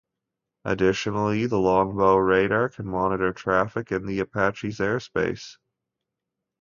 Additionally, the Longbow radar can monitor traffic in the Apache's airspace.